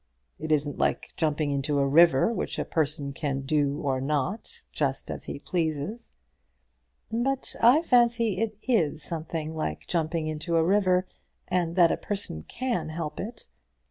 It isn't like jumping into a river, which a person can do or not, just as he pleases." "But I fancy it is something like jumping into a river, and that a person can help it.